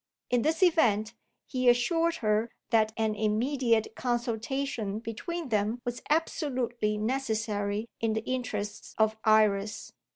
In this event, he assured her that an immediate consultation between them was absolutely necessary in the interests of Iris.